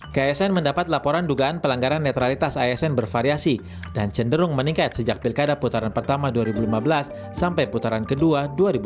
ksn mendapat laporan dugaan pelanggaran netralitas asn bervariasi dan cenderung meningkat sejak pilkada putaran pertama dua ribu lima belas sampai putaran kedua dua ribu delapan belas